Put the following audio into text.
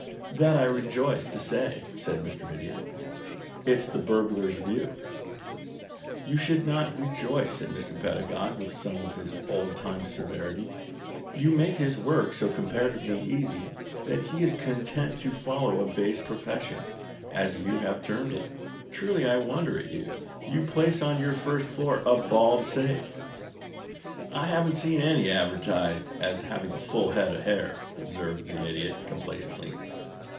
"That, I rejoice to say," said the Idiot, "is the burglar's view." "You should not rejoice," said Mr. Pedagog, with some of his old time severity. "You make his work so comparatively easy that he is content to follow a base profession, as you have termed it. Truly, I wonder at you. You place on your first floor a bald safe " "I haven't seen any advertised as having a full head of hair," observed the Idiot, complacently.